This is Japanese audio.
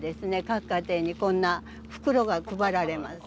各家庭にこんな袋が配られます。